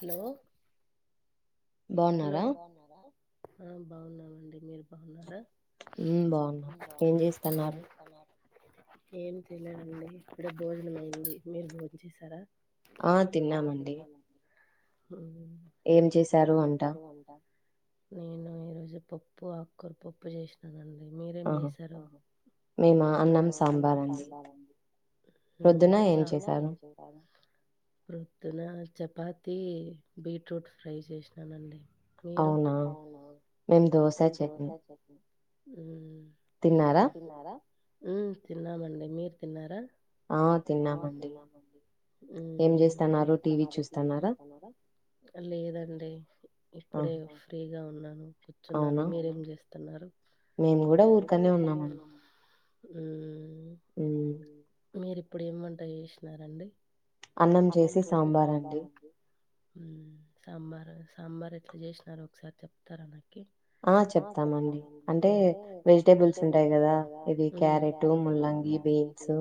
Hello hello బాగున్నారా ఆ బాగున్నామండి మీరు బాగున్నారా ఏం తెలేడంండి ఇప్పుడే భోజనం అయింది మీరు భోజ చేసారా ఆ తిన్నామండి ఉమ్ ఏం చేశారు అ చెసారు వాంటా నేను ఈ రోజు పప్పు ఆకుర పప్పు చేసినానండి మీరేం చేసారో. ఉహ్ ప్రొద్దున చపాతి, బీట్రూట్ ఫ్రై చేసిన్ అవునండి మీరు? ఉహ్ హు తిన్నారా ఉహ్ తిన్నామండి. మీర్ తిన్నారా ఉహ్ లేదండి. ఇప్పుడే ఫ్రీ గా ఉన్నాను. కూర్చున్నాను మీరేం చేస్తున్నారు. ఉహ్ హు ఉహ్ మీరు ఇప్పుడు ఏం వంట చేసినారంండి. అన్నం చేసి సాంబార్ అండి. ఉహ్ సాంబార సాంబార్ ఎట్లా చేసినారో ఒకసారి చెప్తారా నాక్ ఆహ్ చెప్తామండి. అంటే వెజిటేబుల్స్ ఉంటాయి కదా ఇది క్యారెట్, ముల్లంగి, బీన్సు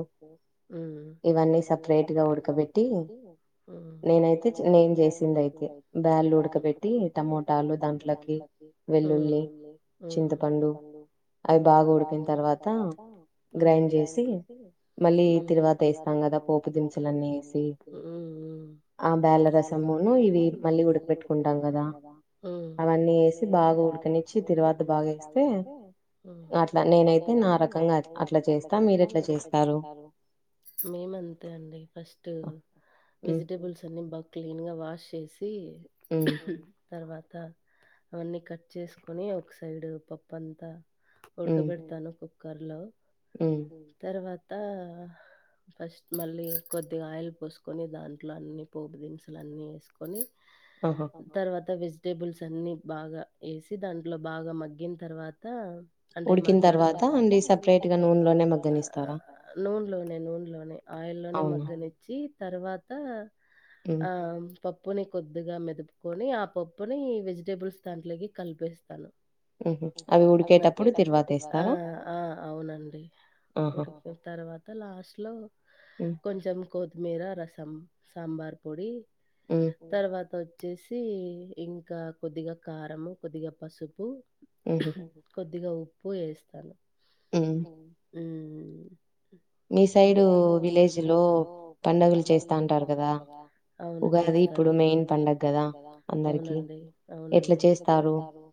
ఉహ్ ఉహ్ ఉహ్ ఉహ్ ఉహ్ ఉహ్ ఉహ్ ఉహ్ ఉహ్. ఉహ్ మేం అంతే అండి ఫస్ట్ వెజిటబుల్స్ అన్ని బాగ్ క్లీన్ వాష్ చేసి ఉహ్ తర్వాత అవన్నీ కట్ చేసుకోని ఒక సైడ్ పప్పుంతా ఉడ్కబేడతాను క్ కార్లో తర్వాత్ త ఫస్ట్ మళ్ళీ కొద్దిగా ఆయిల్ పోసుకొని దాంట్లో అన్నీ పోపు దినుసులు అన్నీ వేసుకొని. తర్వాత విజ్ టేబుల్స్ అన్నీ బాగా ఎసి దాంట్లో బాగా మగ్గిన తర్వాత అంటే మగ్గడం తర్వాత సపరేట్ నూనెలోనే నూనెలోనే ఆయిల్ లోనే మగ్గనిచ్చి తర్వాత ఆ పప్పుని కొద్దిగా మెదు కప్పుకొని ఆ పప్పుని వెజిటేబుల్స్ దాంట్లోకి కలిపేస్తాను ఆ ఆ అవునండి ఊరికి తర్వాత లాస్ట్ లో కొంచెం కోది కుమరా రసం సాంబార్ పొడి తర్వాతో వచ్చేసి ఇంకా కొద్దిగా కారంము కొద్దిగా పసుపు కొద్ది కొద్దిగా ఉప్పు వేస్తాను హు ఉ మీ సైడ్ విలేజ్ లో పండగలు చేస్తాంటారు కదా అవును ఇప్పుడు మయిన్ కదా అవునండి అవునండి ఎట్ల చేస్తారు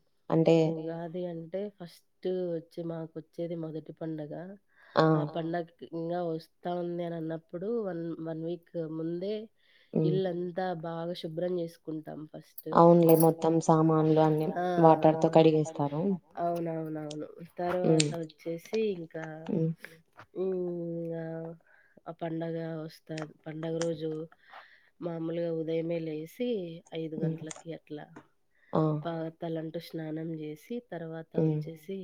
ఉగాది అంటే ఫస్ట్ వచ్చి మాకు వచ్చేది మొదటి పండుగ ఆ పన్న ఇ వస్తా ఉంది అని అన్నప్పుడు వన్ వన్ వీక్ ముందే ఇల్ంతా బాగా శుభ్రం చేసుకు కుంటాం ఫస్ట్ అవునవునవును తర్వాత వచ్చేసి ఇంకా ఇం ఆ పండగ వస్తుంది పండగ రోజు మామూలుగా ఉదయమే లేసి ఐదు గంటలకి అట్లా ఆ తలంటు స్నానం చేసి తర్వాత వచ్చేసి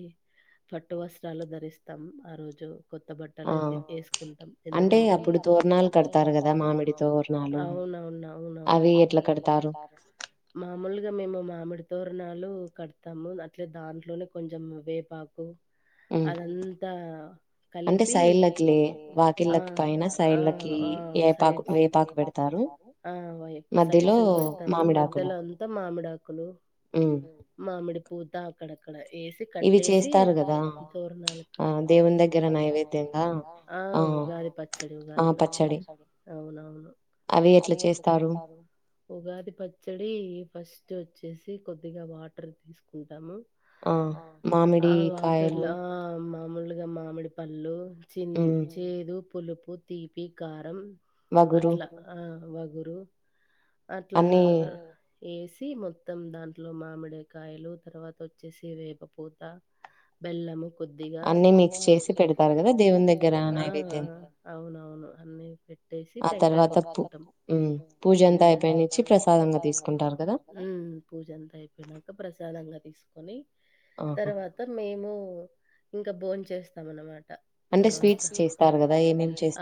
పట్టు వస్త్రాలు ధరిస్తాం ఆ రోజు కొత్త బట్టలు వేసుకుంటా ఎందుకంటే అంటే అప్పుడు తోరణాలు కడతారు కదా మాములుగా అవునవును అవి ఇట్ల కడతారు మాలుగా మేము మామిడి తోరణాలు కడతాము అట్లే దాంట్లోనే కొంచెం వేపాకు అదంతా కలిపి సైడ్ పెడతాము మధ్యలో అంతా మామిడా కులు మామిడి పూత అక్కడక్కడ వేసి కట్టేసి తోరణాలు కడతాం ఉగాది పచ్చడి ఉగాది పచ్చడి అవునవును అది ఎట్లా చేస్తారు ఉగాది పచ్చడి ఫస్ట్ సెట్ చేసి కొద్దిగా వాటర్ తీసుకుంటాము. ఆ వాటర్లా ఆ అమ్మ. మాములుగా మామిడి పళ్ళు. చిన్ చేదు. పులుపు, తీపి, కారం. అట్లా ఆ వ. గురు. అట్లా. ఏస్. తి మొత్తం దాంట్లో మామిడి కాయలు, తర్వాత వొచ్చేసి, వేప పూత, బెల్లము. అన్ని మక్స్ చేసి పెడతారు, దేవుని దగ్గర నైవేద్యగా, అ తర్వాత, ఉమ్ పూజ అంత అయిపోనిచ్చి ప్రసాదంగా తీసుకుంటారు. ఉమ్ పూజ అంతా అయిపోనాక, ప్రసాదంగా తీసుకొని. తర్వాత మేము. ఇంకా బోన్ చేస్తాం అన్నమాట.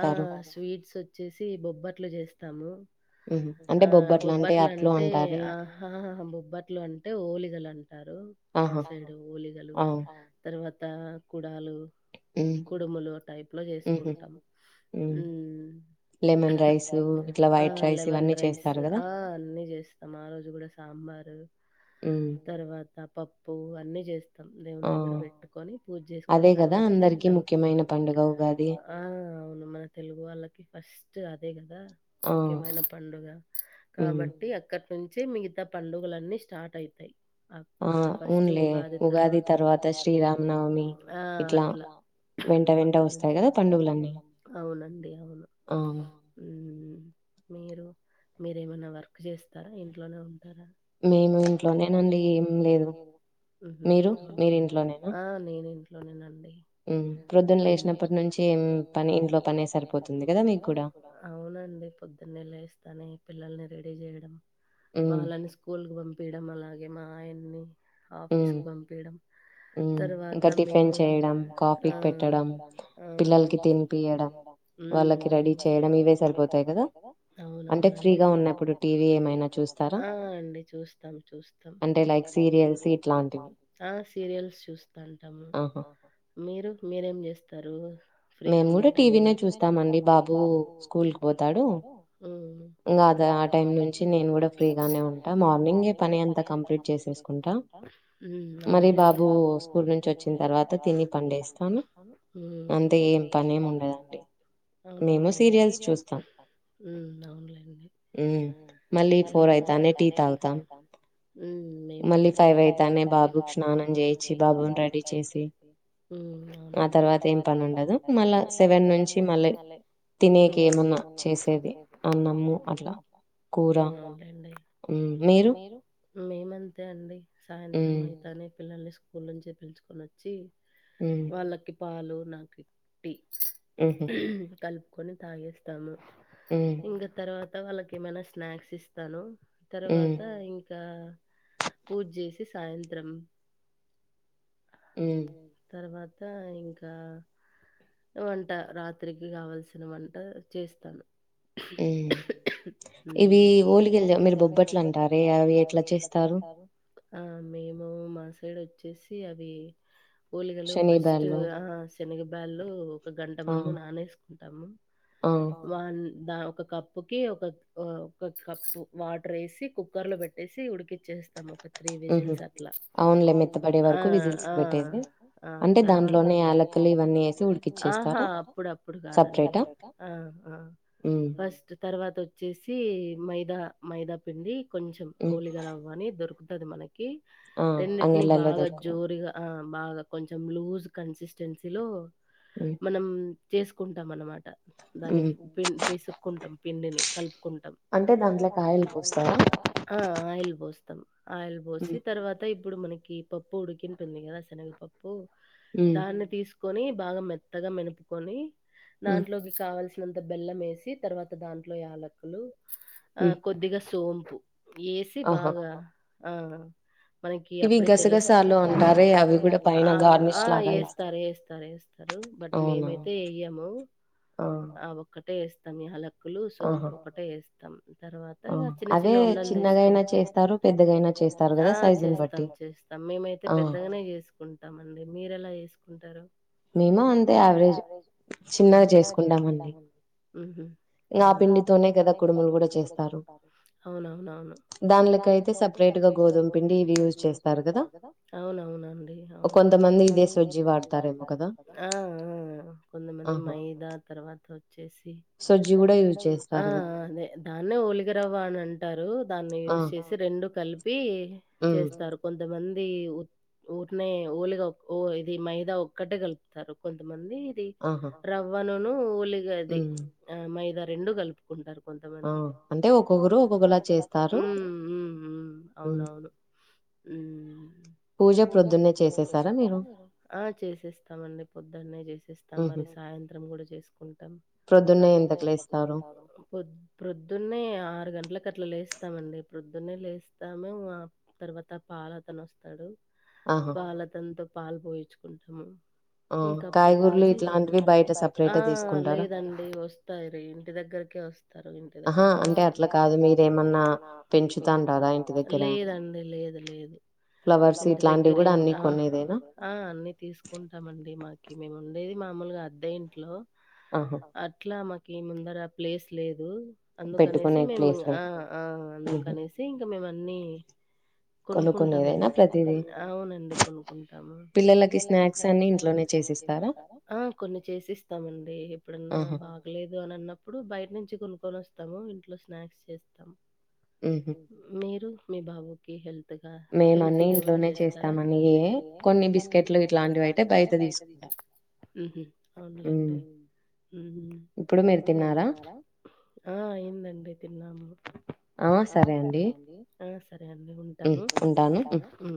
అ స్వీట్స్ వొచ్చేసి బొబ్బట్లు చేస్. తము. హు అంటే బొబ్బట్లు అంటే అట్లు అంటారు. ఆహా హ బొబ్బట్లు అంటే ఓలిగలు అంటారు, మ సైడు ఓలిగలు తర్వాత. కు గుడాలు కుడుములు, అ టైప్ లో చేసుకుంటాము, ఉమ్ అ లెమన్ రైసు, ఆ అన్ని జెస్తాము, ఆరోజు గుడ. సాంబారు. తరువాత. పప్పు, అన్ని చేస్. దేవుని దగ్గర పెట్టుకొని, పూజ చేసుకొని తర్వాత తింటాం, ఆ అవును మన తెలుగు వాళ్ళకి ఫస్. అదేగా. ముఖ్యమైన పండుగ, కాబట్టి అక్కడ. నుంచి మిగితా. పండుగలన్నీ, స్టార్ట్ అయితాయి. అక్కడ ఫస్ట్ ఉగాది తర్వాత, ఆ అట్లా అవునండి అవును, ఉమ్. మీరు, మీరేమైనా వర్క్ చేస్తారా, ఇంట్లోనే ఉం. మేము ఇంట్లోనేనండి, ఏమి లేదు, మీరు, మీరు ఇంట్లో నేనా. ఇంట్లోనేనండి. పొద్దున లేసినప్పటి నుంచి, పని ఇంట్లో పనే సరిపోతుంది, కదా మీకు కూడా. పిల్లల్ని రడీ చేయడం. వాళ్ళని స్కూల్కి పంప్ పంపియడం అలాగే మా ఆయన్ని ఆఫీస్ కి పంపియడం తర్వాత మేము టిఫిన్ చేయడం కాఫీ పెట్టడం పిల్లలకి తినిపోయడం వాళ్ళని రెడీ చేయటం ఇవే సరిపోతాయి కదా అవును అవును అంటే ఫ్రీ గా వున్నప్పుడు టీవీ ఏం ఐనా ఆ అండి చూస్తాం చూస్తాం అంటే లైక్ సిరియల్ ఆ సీరియల్స్ చూస్తుంటాము మీరు మీరేం చేస్తారు ఫ్రీ గా ఉన్న టైం లో ఉ మార్నింగ్ ఎ [unintelligible] పని అంతా కంప్లీట్ చేసేసుకుంట ఉ అవును లెండి మళ్ళీ బాబు స్కూల్ ను వచ్చిన తర్వాత తి పని చేస్తాను అంటే ఏం పని ఏం ఉండదు అవును అవును లెండి మేము సీరియల్స్ చూస్తాం హ్మ్ అవునులే మళ్ళీ ఫోర్ అయితానే టీ తాగుతామ్ మేము అంతే మళ్లీ ఫైవ్ అవగానే బాబుకి స్నానం చేపించి బాబును రెడీ చేసి ఉ అవును అవును ఆ తర్వాత పని ఉండదు మళ్ళా సెవెన్ నుంచి మళ్ళీ తినేకి ఏమన్నా చేసేది టిఫిన్ అన్నము అట్ల హ్మ్ నీరు మేమంతే అండి సాయంత్రం అయితానే పిల్లల్ని స్కూల్ నుంచే పిలుచుకొనొచ్చి వాళ్ళకి పాలు నాకు టీ కల్ప్ కొన్ని తాగేస్తాము ఇంగ తర్వాత్ అత్త వాళ్ళకి ఏమైనా స్నాక్స్ ఇస్తాను తర్వాత ఇంక్ దా పూజ చేసి సాయంత్రం తర్బా [unintelligible] ద్ అ ఇంకా వంట రాత్రికి కావాల్సిన వంట చేస్తాను ఇవి ఓలిగలు మీరు బొబ్బట్లు అంటారే అవి ఎట్లా చేస్తారు ఆ మేము మా ఇక్కడ వచ్చేసి అవి ఓలిగలు ఫస్ట్ శనగ బాళ్ళు ఒక గంట ముందు నానేస్ టము వన్ దా ఒక కప్పు క ఒక ఒక కప్పు వాటర్ వేసి కుక్కర్ లో పెట్టేసి ఉడికిచ్చేస్తాము. ఒక త్రీ విజిల్స్ అట్లా అ ఆ తర్వాత ఆహా అప్పుడప్పుడు కాదండి ఫస్ట్ తర్వాత ఓచ్చేసి మైదా మైదా పిండి కొంచెం ఓలిగా రావ్వ అని దొరుకు తది మనకి కి రెండింటిని బాగా జోరుగా ఆ బాగా కొంచెం లూజ్ కన్సిస్టెన్సీలో మనం చేసుకుంటాం. అన్నమాట దాన్ని పిం పిసుక్కుంటం. పిండిని కలుపూకు టం ఆ ఆయిల్ పోస్తమ్ త్తం ఆయల్బోసి తర్వాత ఇ ఇప్పుడు మనకి పప్పు ఉడికి టుందిగా సనగ పప్పు దాన్ని తీసుకు కొని బాగా మెత్తగా మెనుపుకొని దాంట్లోకి కావలసి కొంతా బెల్లం వేసి, తర్వాత దాంట్లో యాలకులు ఆ కొద్దిగా సొంపు [unintelligible] ఏసి బాగా ఆ మనకి అప్పుడే తెలుస్తూ ఆ ఆ ఏస్తారు ఏస్తారు ఏస్తారు బట్ మేము అయితే ఏయము. ఆ ఒక్కటి ఒకటే వేస్తాం మీ యాలాకు కులు సొంపు ఒకటే ఏస్తాం. తర్వాత ఈగ చిన్న చిన్నగా ఉండలు తీసుకొని ఆ చేస్తాం చేస్తాం మేమైతే పెద్దగానే చేసుకుంటాం అండి. మీరు ఎలా చేస్ కుంటారు మేము అంటే అండి, అవరేజ్‌గా హ్మ్ చిన్నగా చేసుకుంటాం అండి. ఆహా అవునా, ఆ పిండి తోనే కదా కుడుములు కూడా చేస్తారు అవునవును, దాంట్లో అయితే సెపరేట్ గోధుమ పిండి యూజ్ చేస్తారు కదా. అవునవునండి అవును కొంత మంది ఇదే ఫ్రిడ్జ్ వాడతారు ఆ ఆ ఆ కొంతమంది మైదా తర్వాత వచ్చేసి సూజీ కూడా యూజ్ చేస్తారు ఆ అదే దాన్నే ఓలిగ రవ్వ అంటారు దాన్ని యూజ్ చేసి రెండు రెండు కలిపి హే చేస్తారు కొంతమంది ఇది ఉత్ ఊరినే ఓలిగా ఊ ఇది మైదా ఒక్కటే కలుపుతారు కొంతమంది ఇది రవ్వను ను వచ్చే. ఒలిగా ది మైదా. రెండు కలుపుకుంటారు. కొంతమంది. అంటే ఒక్కొక్కరు ఒక్కొక్కలా చే చేసే ఊం ఊం అవునవును. ఊం. హ్మ్ పూజ ప్రొద్దున్నే చేసేస్తారా మీరు ఆహ్ చేసేస్తాం అండి ప్రొద్దున్నే చేసేస్తాం మరి సాయంత్రం కూడా చేసుకుంటాం ప్రొద్దున్నే ఎంతకి లేస్తారు ప్రొద్దున్నే ఆరు గంటలకు. అట్లా లేస్తామండి ప్రొద్దున్న లేస్తాము తర్వాత పాలు అతను వస్తా. తడు. పాలు ఆతన్ తో పాలు పోయిచ్చ! ఉంటాము. ఇంకా అప్పుడునుంచి ఆహా లేదండి వస్తాయి రే ఇంటి దగ్గరికి. కస్తే ఇంటి దగ్గర అంటే అ కా ఏ లేదండి లేదు లేదు ఇంటి దగ్గరేమి ఆ ఆ అన్ని తీసుకుంటామండి మాకి మేము అండేది మామూలుగా అద్దయి ఇంట్లో అట్లా మ ముందర ఆ ప్లేస్ లేదు అందుకనేసి మేము ఆ ఆ అందుకనేసి ఇంకా మేమ అన్నీ కొను కొన్ని అవునండి కొ పిల్ల కొన్ని చేసిస్తామండి ఎప్పుడన్నా బాగలేదు అని అన్నప్పుడు బయట నుంచి కొ కొని వస్తాము ఇంట్లో స్నాక్స్ చేస్తాము మీరు మీ బాబుకి హెల్త్ గా హెల్తీ గా ఏమైనా చేస్తారా కొన్ని బిస్కెట్లు ఇలాంటివి అయితే తీసుకుంటాం హు హు ఇప్పుడు మీరు తిన్నారా ఆ అయిందండి తిన్నాము సరే అండీ సరే అండి ఉంటాము ఉంటాను హు